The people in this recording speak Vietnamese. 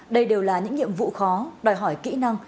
đây đều là những nhiệm vụ khó đòi hỏi kỹ năng